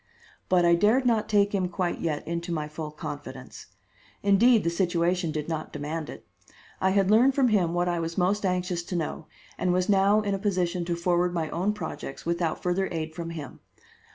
But I dared not take him quite yet into my full confidence. Indeed, the situation did not demand it. I had learned from him what I was most anxious to know, and was now in a position to forward my own projects without further aid from him.